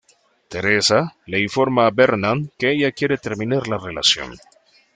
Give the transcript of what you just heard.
Theresa le informa a Bernard que ella quiere terminar la relación.